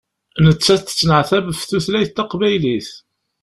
Nettat tettneɛtab ɣef tutlayt taqbaylit.